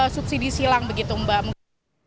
subsidi silang begitu mbak mungkin